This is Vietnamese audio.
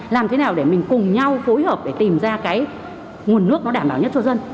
làm thế nào để mình cùng nhau phối hợp để tìm ra cái nguồn nước nó đảm bảo nhất cho dân